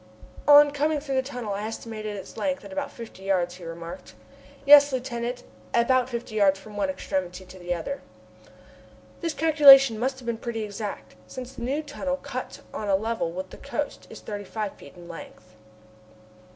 "On coming through the tunnel I estimated its length at about fifty yards," he remarked. "Yes, Lieutenant, about fifty yards from one extremity to the other." This calculation must have been pretty exact, since the new tunnel cut on a level with the coast is thirty five feet in length.